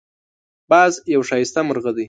باز یو ښایسته مرغه دی